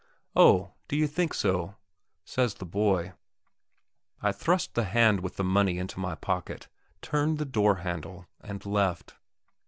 "Oh, do you think so?" says the boy. I thrust the hand with the money into my pocket, turned the door handle, and left.